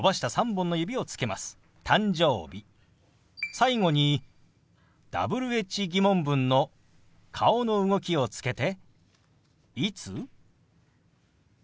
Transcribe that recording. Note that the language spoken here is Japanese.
最後にＷｈ−疑問文の顔の動きをつけて「いつ？」。